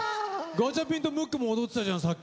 ガチャピンとムックも踊ってたじゃん。